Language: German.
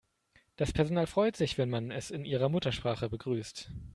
Das Personal freut sich, wenn man es in ihrer Muttersprache begrüßt.